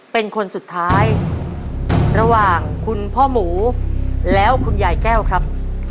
เป็นคนสุดท้ายระหว่างคุณพ่อหมูแล้วคุณยายแก้วครับ